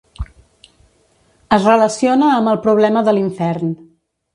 Es relaciona amb el problema de l'infern.